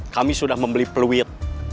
kami sudah membeli peluit